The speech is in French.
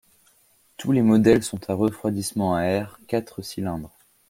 Tous les modèles sont à refroidissement à air, quatre cylindres.